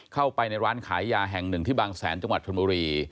เข้าไปในร้านขายยาแห่งหนึ่งที่บางแสนจังหวัดชนบุรี